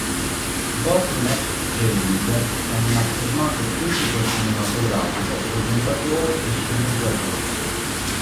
Bob McCabe è un affermato critico cinematografico, presentatore e sceneggiatore.